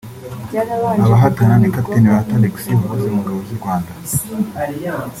Abahatana ni Cpt Bahati Alex wahoze mu Ngabo z’u Rwanda